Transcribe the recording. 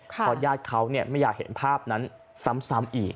เพราะญาติเขาไม่อยากเห็นภาพนั้นซ้ำอีก